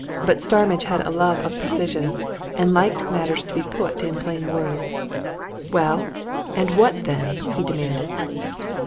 But Starmidge had a love of precision, and liked matters to be put in plain words. "Well and what then?" he demanded.